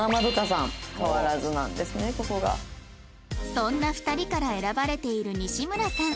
そんな２人から選ばれている西村さん